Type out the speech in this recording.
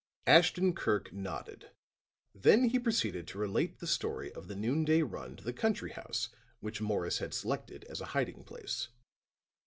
Ashton Kirk nodded. Then he proceeded to relate the story of the noon day run to the country house which Morris had selected as a hiding place.